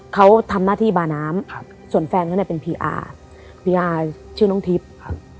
เขาทำหน้าที่บาน้ำส่วนแฟนเขาเป็นพี่อาร์พี่อาร์ชื่อน้องทิพย์